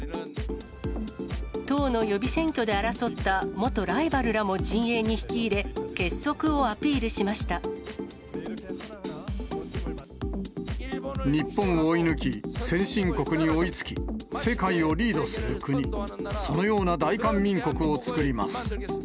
党の予備選挙で争った元ライバルらも陣営に引き入れ、結束をアピ日本を追い抜き、先進国に追いつき、世界をリードする国、そのような大韓民国を作ります。